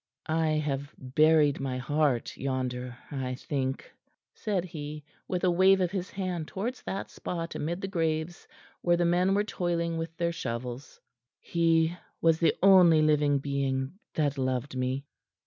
"I have buried my heart yonder, I think," said he, with a wave of his hand towards that spot amid the graves where the men were toiling with their shovels. "He was the only living being that loved me."